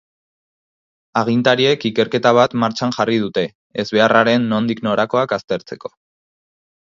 Agintariek ikerketa bat martxan jarri dute ezbeharraren nondik norakoak aztertzeko.